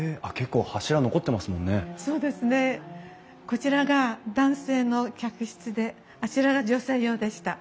こちらが男性の客室であちらが女性用でした。